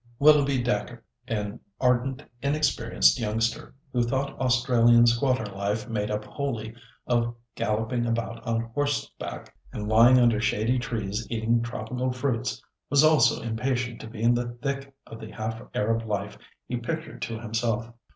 Willoughby Dacre, an ardent inexperienced youngster, who thought Australian squatter life made up wholly of galloping about on horseback, and lying under shady trees eating tropical fruits, was also impatient to be in the thick of the half Arab life he pictured to himself.